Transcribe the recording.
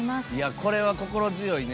これは心強いね。